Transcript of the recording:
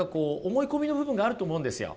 思い込みの部分があると思うんですよ。